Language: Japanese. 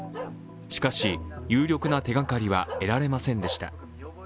しかし、有力な手がかりは得られませんでした。